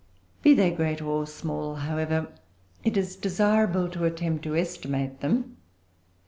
Be they great or small, however, it is desirable to attempt to estimate them.